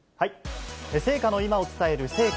聖火の今を伝える聖火